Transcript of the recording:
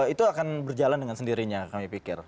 itu akan berjalan dengan sendirinya kami pikir